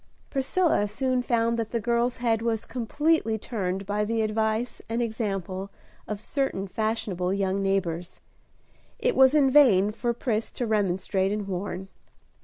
Priscilla soon found that the girl's head was completely turned by the advice and example of certain fashionable young neighbors. It was in vain for Pris to remonstrate and warn.